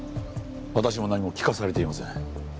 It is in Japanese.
私も何も聞かされていません。